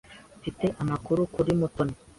Mfite amakuru kuri Mutoni.